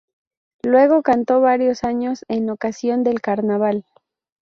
Luego cantó varios años en ocasión del carnaval.